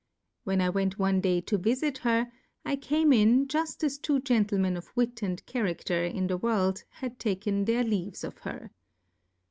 When I went one Day to Vilit her, I came in juft as two Gentle men of Wit and CharaQier in tlie World had taken their leaves of her.